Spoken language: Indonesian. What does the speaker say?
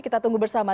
kita tunggu bersama